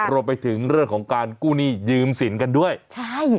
รวมไปถึงเรื่องของการกู้หนี้ยืมสินกันด้วยใช่